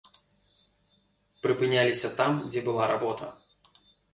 Прыпыняліся там, дзе была работа.